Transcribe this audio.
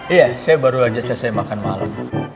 iya saya baru saja selesai makan malam